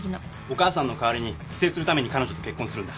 お母さんの代わりに寄生するために彼女と結婚するんだ。